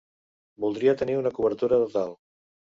Voldria tenir una cobertura total.